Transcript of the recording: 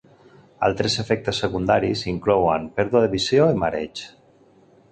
Altres efectes secundaris inclouen pèrdua de visió i mareig.